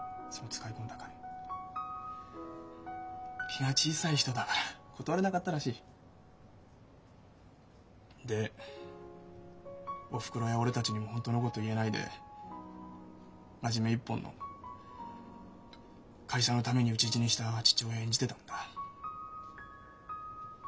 気が小さい人だから断れなかったらしい。でおふくろや俺たちにも本当のこと言えないで真面目一本の会社のために討ち死にした父親演じてたんだ。